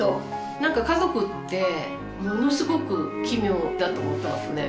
何か家族ってものすごく奇妙だと思ってますね。